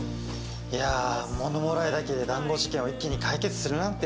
いやものもらいだけで談合事件を一気に解決するなんて。